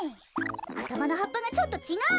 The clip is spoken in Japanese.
あたまのはっぱがちょっとちがう。